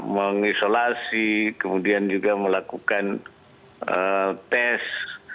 mengisolasi kemudian juga melakukan tes